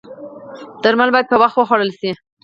درمل باید په وخت وخوړل شي